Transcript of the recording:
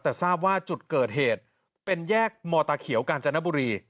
แต่ทราบว่าจุดเกิดเหตุเป็นแยกมตาเขียวกาญจนบุรี